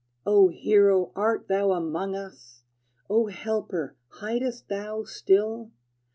O hero, art thou among us? O helper, hidest thou still?